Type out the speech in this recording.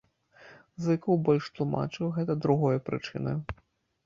Зыкаў больш тлумачыў гэта другою прычынаю.